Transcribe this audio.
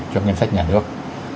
cho ngân sách nhà nước